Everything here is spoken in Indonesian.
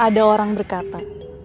ada orang berkata